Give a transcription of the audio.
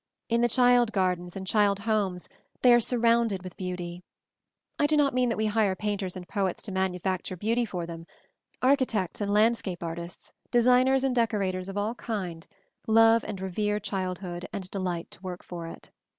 "In the child gar dens and child homes they are surrounded with beauty. I do not mean that we hire painters and poets to manufacture beauty MOVING THE MOUNTAIN 205 for them ; but that painters and poets, archi tects and landscape artists, designers and decorators of all kinds, love and revere childhood, and delight to work for it.